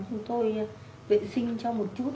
chúng tôi vệ sinh cho một chút